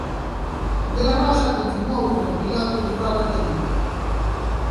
De la Rosa continuou como piloto de probas do equipo.